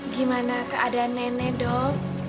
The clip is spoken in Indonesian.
gimana keadaan nenek dok